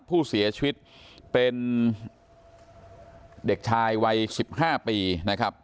ผู้เสียชีวิตเป็นเด็กชายวัย๑๕ปีนะครับ